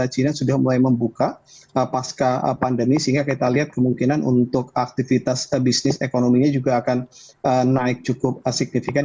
china sudah mulai membuka pasca pandemi sehingga kita lihat kemungkinan untuk aktivitas bisnis ekonominya juga akan naik cukup signifikan